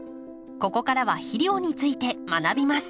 ここからは肥料について学びます。